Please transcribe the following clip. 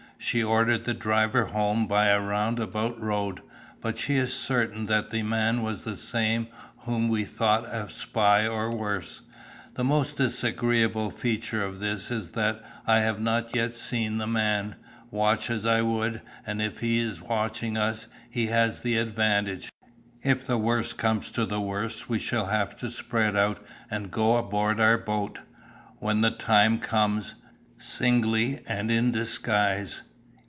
She ordered the driver home by a round about road, but she is certain that the man was the same whom we thought a spy or worse. The most disagreeable feature of this is that I have not yet seen the man, watch as I would, and if he is watching us, he has the advantage. If the worst comes to the worst we shall have to spread out and go aboard our boat, when the time comes, singly and in disguise.